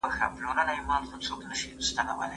حکومتونه به د بې عدالتۍ مخنیوی کوي.